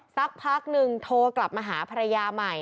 สักพักนึงโทรกลับมาหาภรรยาใหม่